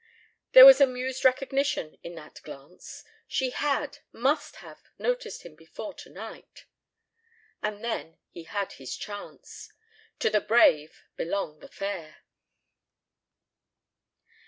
There was amused recognition in that glance! She had, must have, noticed him before tonight! And then he had his chance. To the brave belong the fair.